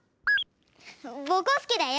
ぼこすけだよ。